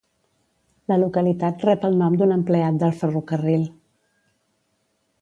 La localitat rep el nom d'un empleat del ferrocarril.